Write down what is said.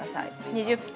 ２０分。